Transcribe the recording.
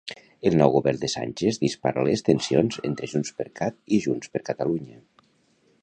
El nou govern de Sánchez dispara les tensions entre JxCat i Junts per Catalunya.